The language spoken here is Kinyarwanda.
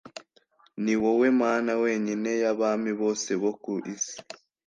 ni wowe Mana wenyine y’abami bose bo ku isi,